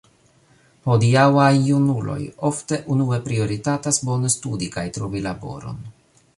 Hodiaŭaj junuloj ofte unue prioritatas bone studi kaj trovi laboron.